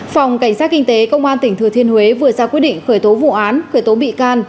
phòng cảnh sát kinh tế công an tỉnh thừa thiên huế vừa ra quyết định khởi tố vụ án khởi tố bị can